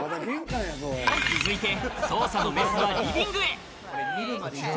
続いて捜査のメスはリビングへ。